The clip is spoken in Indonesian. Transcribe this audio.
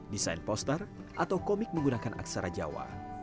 desain poster atau komik menggunakan aksara jawa